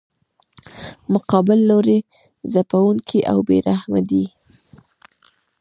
مقابل لوری ځپونکی او بې رحمه دی.